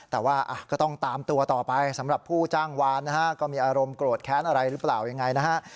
แต่ว่าก็ต้องตามตัวต่อไปสำหรับผู้จ้างวานนะฮะก็มีอารมณ์โกรธแค้นอะไรหรือเปล่ายังไงนะฮะ